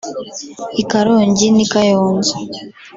i Karongi n’i Kayonza